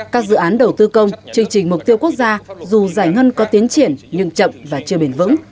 các dự án đầu tư công chương trình mục tiêu quốc gia dù giải ngân có tiến triển nhưng chậm và chưa bền vững